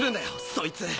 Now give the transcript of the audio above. そいつ。